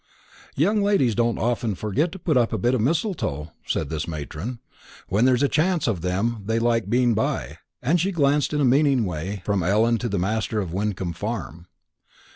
"Young ladies don't often forget to put up a bit of mistletoe," said this matron, "when there's a chance of them they like being by;" and she glanced in a meaning way from Ellen to the master of Wyncomb Farm.